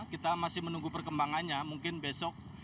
kita masih menunggu perkembangannya mungkin besok